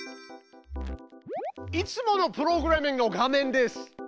いつものプログラミングの画面です。